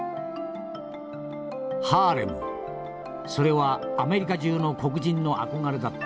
「ハーレムそれはアメリカ中の黒人の憧れだった。